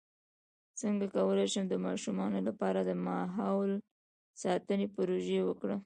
څنګه کولی شم د ماشومانو لپاره د ماحول ساتنې پروژې وکړم